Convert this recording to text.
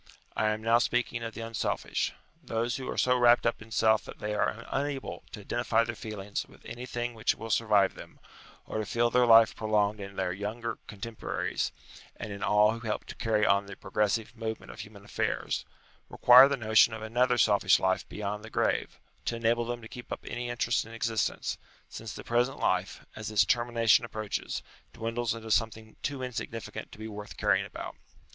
I am now speaking of the unselfish. Those who are so wrapped up in self that they are unable to identify their feelings with anything which will survive them, or to feel their life prolonged in their younger cotemporaries and in all who help to carry on the progressive movement of human affairs, require the notion of another selfish life beyond the grave, to enable them to keep up any interest in ex istence, since the present life, as its termination ap proaches, dwindles into something too insignificant to be worth caring about.